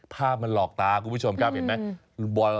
ภาพมันหลอกตาคุณผู้ชมครับเห็นไหม